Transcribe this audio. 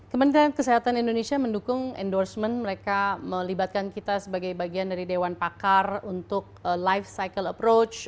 kementerian kesehatan indonesia mendukung endorsement mereka melibatkan kita sebagai bagian dari dewan pakar untuk life cycle approach